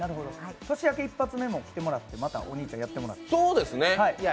年明け一発目も来てもらって、お兄ちゃんやってもらっても。